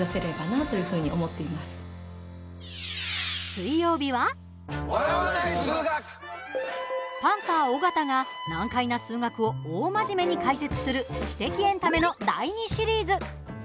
水曜日はパンサー尾形が、難解な数学を大真面目に解説する知的エンタメの第２シリーズ。